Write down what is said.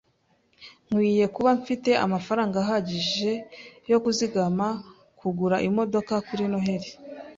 Nkwiye kuba mfite amafaranga ahagije yo kuzigama kugura imodoka kuri Noheri.